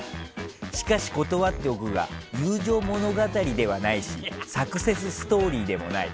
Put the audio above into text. しかし断っておくが友情物語ではないしサクセスストーリーでもない。